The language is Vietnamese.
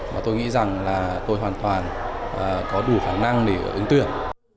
và tôi nghĩ rằng là tôi hoàn toàn có đủ khả năng để ứng tưởng